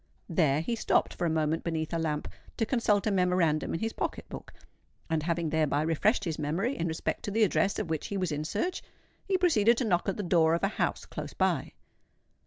There he stopped for a moment beneath a lamp to consult a memorandum in his pocket book; and, having thereby refreshed his memory in respect to the address of which he was in search, he proceeded to knock at the door of a house close by.